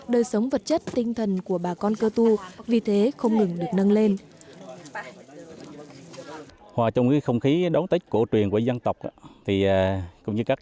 đời sống vật chất tinh thần của bà con cơ tu vì thế không ngừng được nâng lên